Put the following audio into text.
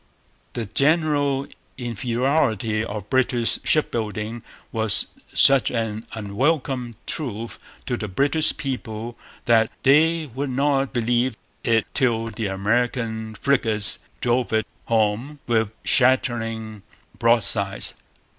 The general inferiority of British shipbuilding was such an unwelcome truth to the British people that they would not believe it till the American frigates drove it home with shattering broadsides.